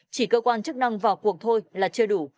chỉ cơ quan chức năng vào cuộc thôi là chưa đủ